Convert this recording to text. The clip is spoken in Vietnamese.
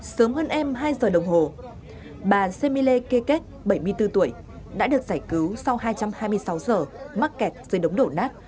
sớm hơn em hai giờ đồng hồ bà semiele kech bảy mươi bốn tuổi đã được giải cứu sau hai trăm hai mươi sáu giờ mắc kẹt dưới đống đổ nát